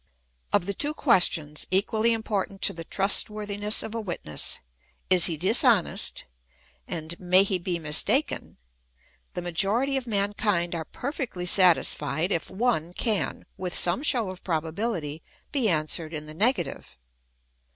Of the two questions, equally important to the trustworthiness of a witness, ' Is he dishonest ?' and ' May he be mistaken ?' the majority of mankind are perfectly satisfied if one can, with some show of probability, be answered in the nega tive.